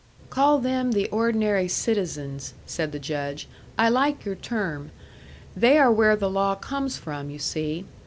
"Call them the ordinary citizens," said the Judge. "I like your term. They are where the law comes from, you see.